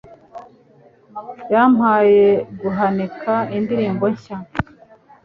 Yampaye guhanika indirimbo nshya